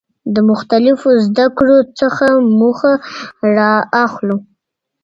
د مختلفو زده کړو څخه موخه را اخلو.